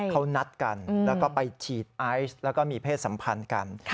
เขานัดกันแล้วก็ไปฉีดไอซ์แล้วก็มีเพศสัมพันธ์กัน